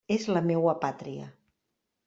És la meua pàtria.